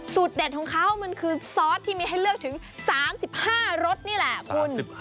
เด็ดของเขามันคือซอสที่มีให้เลือกถึง๓๕รสนี่แหละคุณ